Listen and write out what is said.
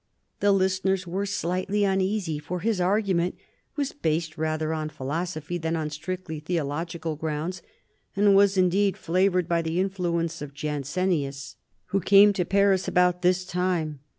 The listeners were slightly uneasy, for his argument was based rather on philosophy than on strictly theological grounds, and was indeed flavoured by the influence of Jansenius, who came to Paris about this time.